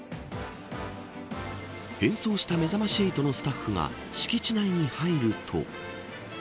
変装しためざまし８のスタッフが敷地内に入ると。